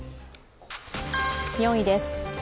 ４位です。